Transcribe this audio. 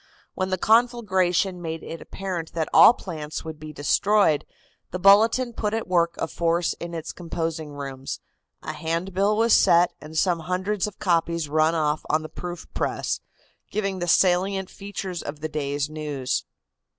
When the conflagration made it apparent that all plants would be destroyed, the Bulletin put at work a force in its composing rooms, a hand bill was set and some hundreds of copies run off on the proof press, giving the salient features of the day's news.